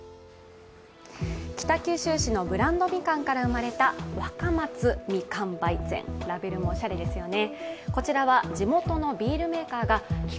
北九州市のブランドみかんから生まれた若松みかんヴァイツェン、ラベルもおしゃれですよね。